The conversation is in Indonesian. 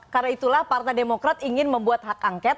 karena itulah partai demokrat ingin membuat hak angket